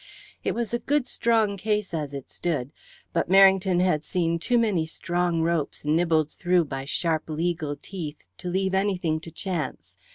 It was a good strong case as it stood, but Merrington had seen too many strong ropes nibbled through by sharp legal teeth to leave anything to chance.